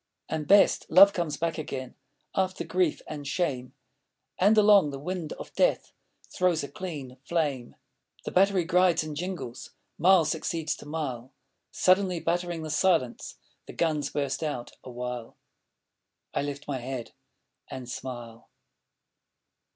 And, best! Love comes back again After grief and shame, And along the wind of death Throws a clean flame. The battery grides and jingles, Mile succeeds to mile; Suddenly battering the silence The guns burst out awhile. I lift my head and smile.